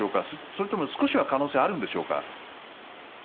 それとも少しは可能性があるんでしょうか？